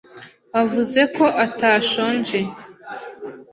Wavuze ko atashonje.